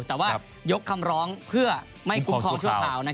แต่ว่ายกคำร้องเพื่อไม่คุ้มครองชั่วคราว